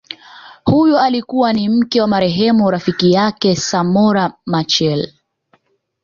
Huyu alikuwa ni mke wa marehemu rafiki yake Samora Machel